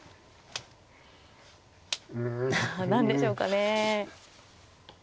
うん。何でしょうかね。